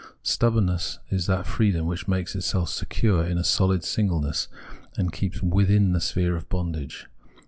Stubbornness is that freedom which makes itself secure in a sohd singleness, and keeps vjithin the sphere of bondage.